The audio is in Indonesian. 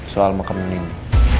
soal makam nindi